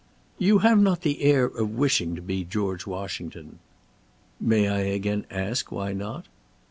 "You have not the air of wishing to be George Washington." "May I again ask, why not?"